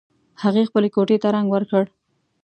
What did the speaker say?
هغوی خپلې کوټې ته رنګ ور کړ